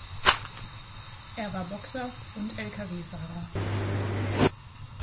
Er war Boxer und Lkw-Fahrer.